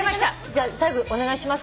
じゃあ最後お願いします。